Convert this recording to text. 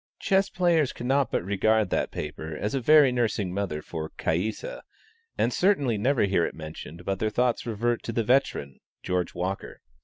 Chess players cannot but regard that paper as a very nursing mother for Caïssa, and certainly never hear it mentioned but their thoughts revert to the veteran George Walker.